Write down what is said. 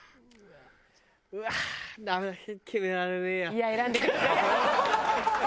いや選んでください。